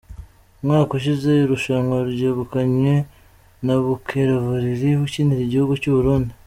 Umwaka ushize irushanwa ryegukanywe na Bukera Valery ukinira igihugu cy’u Burundi.